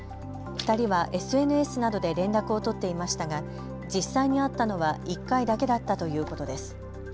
２人はＳＮＳなどで連絡を取っていましたが実際に会ったのは１回だけだったということです。